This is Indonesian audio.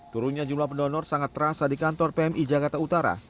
turunnya jumlah pendonor sangat terasa di kantor pmi jakarta utara